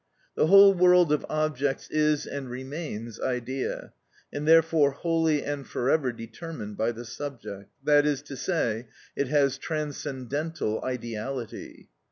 The whole world of objects is and remains idea, and therefore wholly and for ever determined by the subject; that is to say, it has transcendental ideality.